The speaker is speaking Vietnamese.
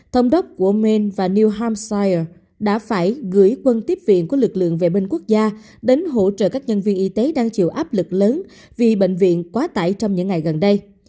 thông đốc của main và new hampshire đã phải gửi quân tiếp viện của lực lượng vệ binh quốc gia đến hỗ trợ các nhân viên y tế đang chịu áp lực lớn vì bệnh viện quá tải trong những ngày gần đây